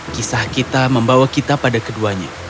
kisah kita membawa kita pada keduanya